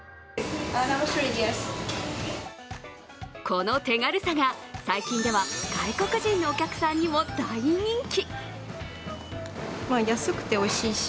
この手軽さが最近では外国人のお客さんにも大人気。